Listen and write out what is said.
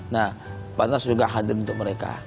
nah mbak nas juga hadir untuk mereka